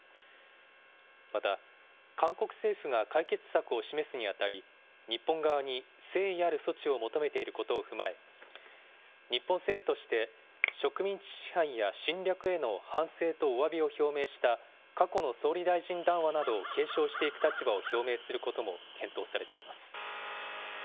また韓国政府が解決策を示すにあたり、日本側に誠意ある措置を求めていることを踏まえ、日本政府として、植民地支配や侵略への反省とおわびを表明した過去の総理大臣談話などを継承していく立場を表明することも検討されています。